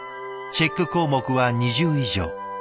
チェック項目は２０以上。